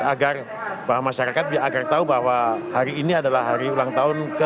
agar bahwa masyarakat agar tahu bahwa hari ini adalah hari ulang tahun ke tujuh puluh